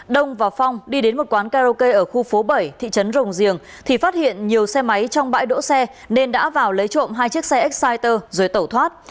đông và phong đi đến một quán karaoke ở khu phố bảy thị trấn rồng giềng thì phát hiện nhiều xe máy trong bãi đỗ xe nên đã vào lấy trộm hai chiếc xe exciter rồi tẩu thoát